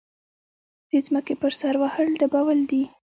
د ځمکې پر سر وهل ډبول دي.